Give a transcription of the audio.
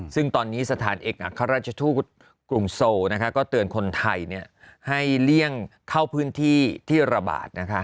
ซึ่งตอนนี้สถานเอกอัครราชทูตกรุงโซก็เตือนคนไทยให้เลี่ยงเข้าพื้นที่ที่ระบาด